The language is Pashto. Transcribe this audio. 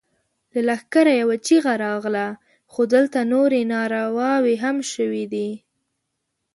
له لښکره يوه چيغه راغله! خو دلته نورې نارواوې هم شوې دي.